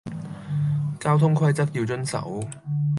交通規則要遵守